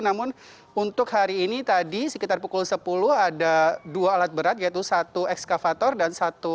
namun untuk hari ini tadi sekitar pukul sepuluh ada dua alat berat yaitu satu ekskavator dan satu